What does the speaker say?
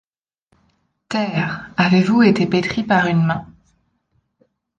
Terre ! avez-vous été pétris par une main ?